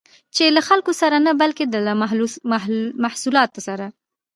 چې له خلکو سره نه، بلکې له محصولات سره